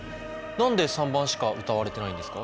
何で３番しか歌われてないんですか？